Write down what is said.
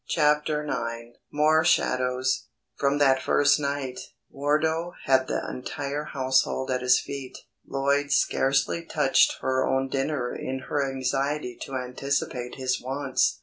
CHAPTER IX MORE SHADOWS FROM that first night, Wardo had the entire household at his feet. Lloyd scarcely touched her own dinner in her anxiety to anticipate his wants.